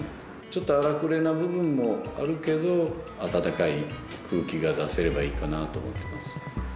ちょっと荒くれな部分もあるけど温かい空気が出せればいいかなと思ってます。